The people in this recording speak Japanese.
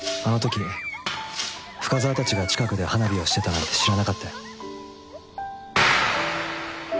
あの時深沢たちが近くで花火をしてたなんて知らなかったよ。